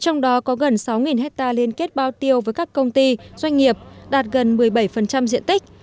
trong đó có gần sáu hectare liên kết bao tiêu với các công ty doanh nghiệp đạt gần một mươi bảy diện tích